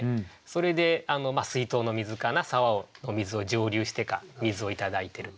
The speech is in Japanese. それで水筒の水かな沢を水を蒸留してか水をいただいてると。